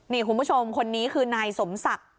นี่คุณผู้ชมคนนี้คือนายสมศักดิ์